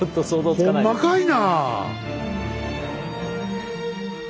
ほんまかいな。